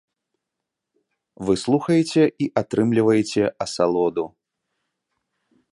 Вы слухаеце і атрымліваеце асалоду.